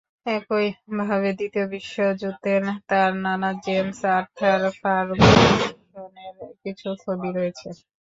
একইভাবে দ্বিতীয় বিশ্বযুদ্ধে তাঁর নানা জেমস আর্থার ফারগুসনেরও কিছু ছবি রয়েছে।